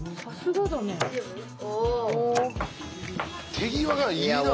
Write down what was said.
手際がいいな。